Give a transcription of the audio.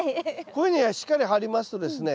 こういうふうにしっかり張りますとですね